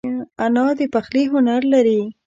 انا د پخلي هنر لري